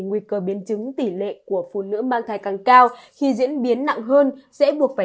nguy cơ biến chứng tỷ lệ của phụ nữ mang thai càng cao khi diễn biến nặng hơn sẽ buộc phải